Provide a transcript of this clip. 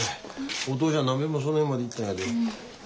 お父ちゃん何べんもその辺まで行ったんやで。